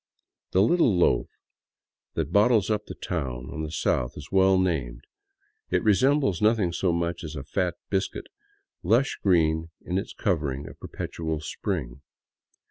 The " Little Loaf " that bottles up the town on the south is well named; it resembles nothing so much as a fat biscuit, lush green in its covering of perpetual spring.